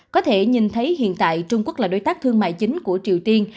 có thể nhìn thấy hiện tại trung quốc là đối tác thương mại chính của triều tiên